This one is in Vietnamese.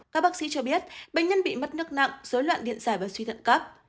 các bác sĩ cho biết bệnh nhân bị mất nước nặng dối loạn điện dài và suy thận cấp